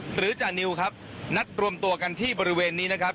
จานิวครับนัดรวมตัวกันที่บริเวณนี้นะครับ